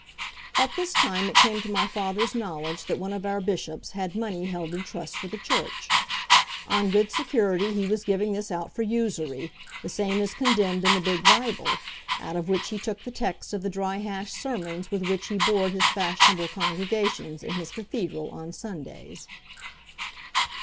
At this time it came to my father's knowledge that one of our bishops had money held in trust for the Church. On good security he was giving this out for usury, the same as condemned in the big Bible, out of which he took the text of the dry hash sermons with which he bored his fashionable congregations in his cathedral on Sundays.